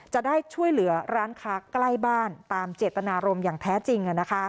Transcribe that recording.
จะได้ช่วยเหลือร้านค้าใกล้บ้านตามเจตนารมณ์อย่างแท้จริง